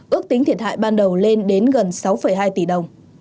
ước tính thiệt hại ban đầu lên đến gần sáu hai tỷ đồng